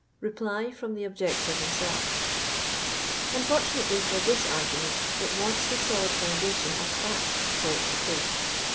REPLV FROM THE OBJECTOR HIMSELF. Unfortunately for. this argument, it wants the solid foundation of facts for its support.